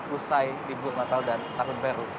usai di bulan natal dan tahun baru